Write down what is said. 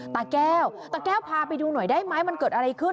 ตาแก้วตาแก้วพาไปดูหน่อยได้ไหมมันเกิดอะไรขึ้น